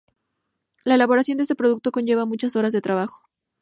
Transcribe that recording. La elaboración de este producto conlleva muchas horas de trabajo.